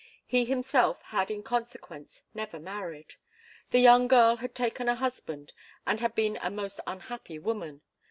He himself had in consequence never married; the young girl had taken a husband and had been a most unhappy woman.